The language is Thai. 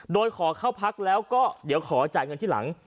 โดยขอเข้าพักแล้วก็เดี๋ยวขอจ่ายเงินที่หลัง